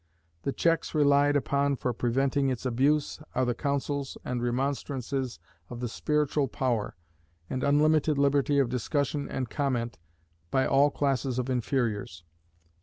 The checks relied upon for preventing its abuse, are the counsels and remonstrances of the Spiritual Power, and unlimited liberty of discussion and comment by all classes of inferiors.